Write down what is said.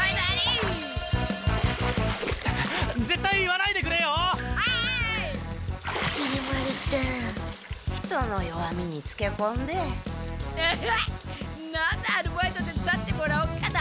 なんのアルバイト手つだってもらおっかな。